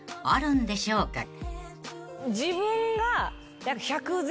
自分が。